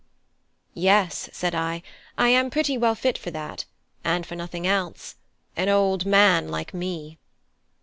"Yes," said I, "I am pretty well fit for that, and for nothing else an old man like me."